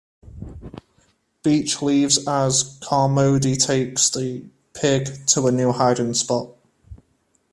Beach leaves, as Carmody takes the pig to a new hiding spot.